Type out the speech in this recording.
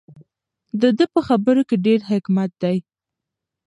د ده په خبرو کې ډېر حکمت دی.